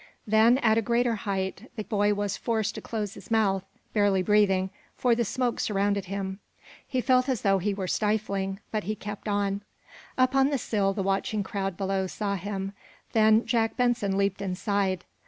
Then, at a greater height, the boy was forced to close his mouth, barely breathing, for the smoke surrounded him. He felt as though he were stifling, but he kept on. Up on the sill the watching crowd below saw him. Then Jack Benson leaped inside.